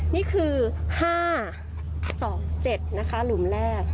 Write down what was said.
นี่คือ๕๒๗นะคะหลุมแรก